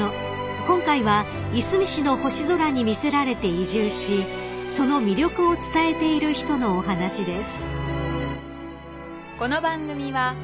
［今回はいすみ市の星空に魅せられて移住しその魅力を伝えている人のお話です］